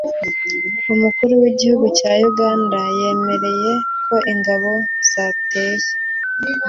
umukuru w'igihugu cya uganda yiyemereye ko ingabo zateye